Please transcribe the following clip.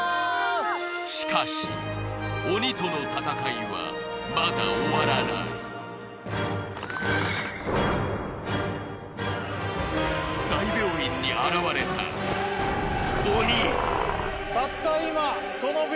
しかし鬼との戦いはまだ終わらない大病院に現れたたった